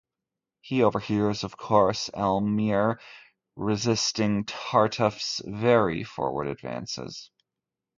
He overhears, of course, Elmire resisting Tartuffe's very forward advances.